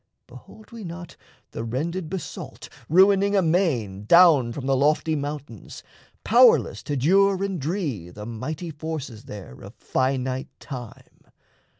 Behold we not The rended basalt ruining amain Down from the lofty mountains, powerless To dure and dree the mighty forces there Of finite time?